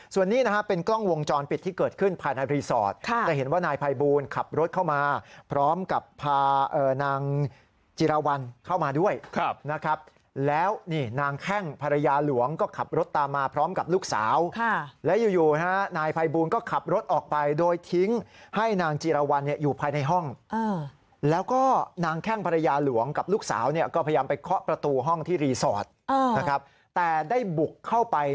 ส่วนนี้นะฮะเป็นกล้องวงจรปิดที่เกิดขึ้นภายในรีสอร์ทแต่เห็นว่านายภัยบูลขับรถเข้ามาพร้อมกับพานางจิรวรรณเข้ามาด้วยนะครับแล้วนี่นางแข้งภรรยาหลวงก็ขับรถตามมาพร้อมกับลูกสาวแล้วยู่นะฮะนายภัยบูลก็ขับรถออกไปโดยทิ้งให้นางจิรวรรณอยู่ภายในห้องแล้วก็นางแข้งภรรยาหลวงก